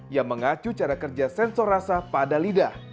yang mengacu cara kerja sensor rasa pada lidah